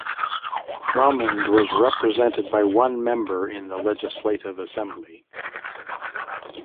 Drummond was represented by one member in the Legislative Assembly.